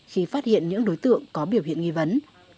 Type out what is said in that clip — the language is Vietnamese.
khi phát hiện những đối tượng có biểu hiện nghi vấn